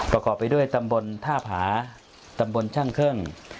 ประกอบไปด้วยตำบลท่าผาตำบลช่างเครื่อง